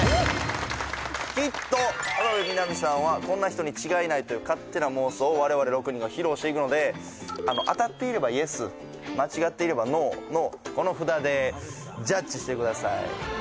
きっと浜辺美波さんはこんな人に違いないという勝手な妄想を我々６人が披露していくので当たっていればＹＥＳ間違っていればＮＯのこの札でジャッジしてください